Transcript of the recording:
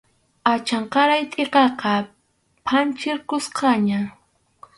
Achanqaray tʼikaqa phanchirqusqaña.